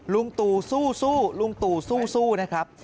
ลุงตู่สู้ลุงตู่สู้นะครับ